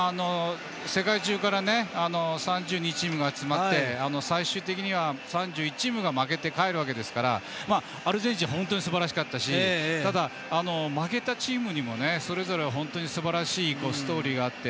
世界中から３２チーム集まって最終的には３１チームが負けて帰るわけですからアルゼンチンは本当にすばらしかったしただ、負けたチームにもそれぞれすばらしいストーリーがあって。